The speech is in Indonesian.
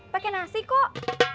pakai nasi kok